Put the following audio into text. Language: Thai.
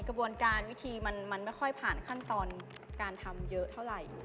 กระบวนการวิธีมันไม่ค่อยผ่านขั้นตอนการทำเยอะเท่าไหร่